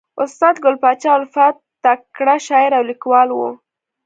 استاد ګل پاچا الفت تکړه شاعر او لیکوال ؤ.